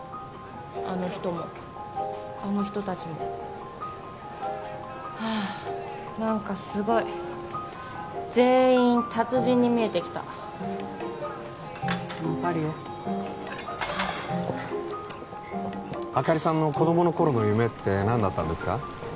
あの人もあの人達もはあ何かすごい全員達人に見えてきた分かるよはあ明里さんの子供の頃の夢って何だったんですか？